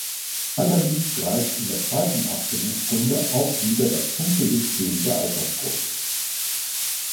Allerdings greift in der zweiten Abstimmungsrunde auch wieder das Punktesystem der Altersgruppen.